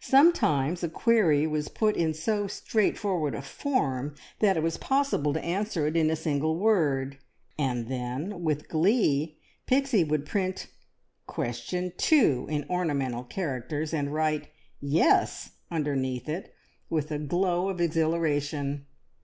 Sometimes a query was put in so straightforward a form that it was possible to answer it in a single word, and then with glee Pixie would print "Question two" in ornamental characters, and write "Yes!" underneath it with a glow of exhilaration.